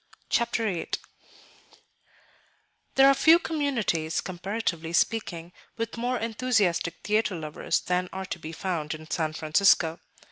Chapter VIII There are few communities, comparatively speaking, with more enthusiastic theatre lovers than are to be found in San Francisco.